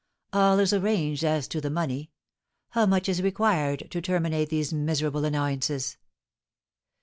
All is arranged as to the money. How much is required to terminate these miserable annoyances?"